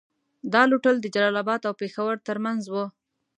دا لوټول د جلال اباد او پېښور تر منځ وو.